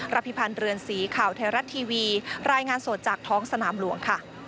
พิพันธ์เรือนสีข่าวไทยรัฐทีวีรายงานสดจากท้องสนามหลวงค่ะ